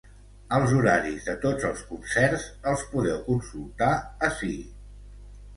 Els horaris de tots els concerts els podeu consultar ací.